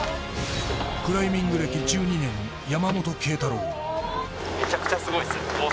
クライミング歴１２年山本桂太朗。